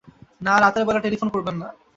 না, রাতের বেলা টেলিফোন করবেন না।